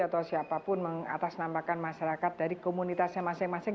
atau siapapun mengatasnamakan masyarakat dari komunitasnya masing masing